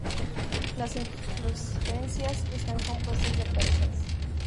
Las inflorescencias están compuestas de cabezas.